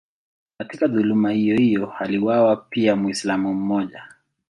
Katika dhuluma hiyohiyo aliuawa pia Mwislamu mmoja.